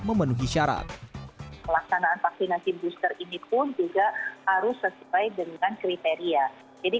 memenuhi syarat pelaksanaan vaksinasi booster ini pun juga harus sesuai dengan kriteria jadi